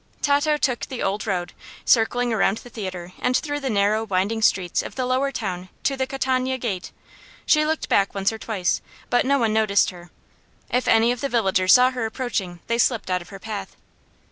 Tato took the old road, circling around the theatre and through the narrow, winding streets of the lower town to the Catania Gate. She looked back one or twice, but no one noticed her. If any of the villagers saw her approaching they slipped out of her path.